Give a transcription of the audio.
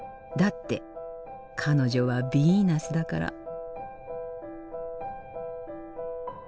だって彼女はヴィーナスだから。